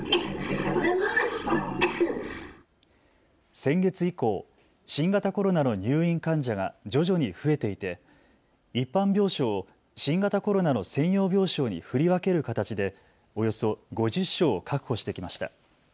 先月以降、新型コロナの入院患者が徐々に増えていて一般病床を新型コロナの専用病床に振り分ける形でおよそ５０床を確保してきました。